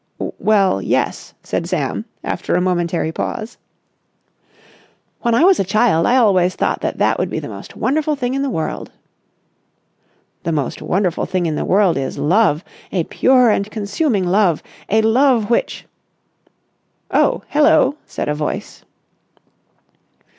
"Well, yes," said Sam after a momentary pause. "When I was a child I always thought that that would be the most wonderful thing in the world." "The most wonderful thing in the world is love, a pure and consuming love, a love which...." "Oh, hello!" said a voice.